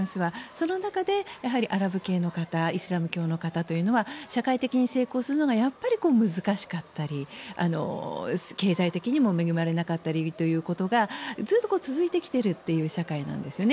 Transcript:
その中で、アラブ系の方イスラム教の方というのは社会的に成功するのがやっぱり難しかったり経済的にも恵まれなかったりということがずっと続いてきている社会なんですよね。